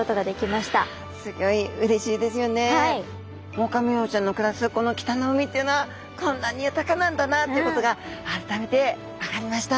オオカミウオちゃんの暮らすこの北の海っていうのはこんなに豊かなんだなっていうことが改めて分かりました。